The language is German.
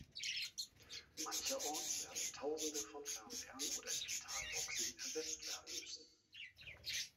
Mancherorts werden tausende von Fernsehern oder Digitalboxen ersetzt werden müssen.